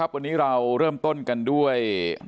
วันนี้เราเริ่มต้นกันด้วย